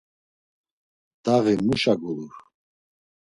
Daği muşa gulur.